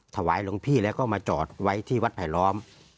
ถวายหลวงพี่แล้วก็มาจอดไว้ที่วัดไผลล้อม